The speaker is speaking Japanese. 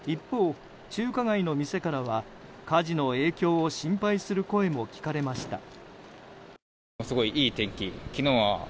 一方、中華街の店からは火事の影響を心配する声も聞かれました。